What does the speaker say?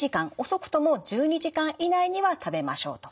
遅くとも１２時間以内には食べましょうと。